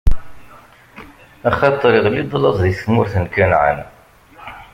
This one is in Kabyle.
Axaṭer iɣli-d laẓ di tmurt n Kanɛan.